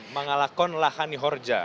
mangalakon lahani horja